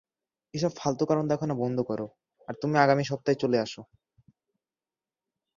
এসব ফালতু কারণ দেখানো বন্ধ করো, আর তুমি আগামী সপ্তাহেই চলে আসো।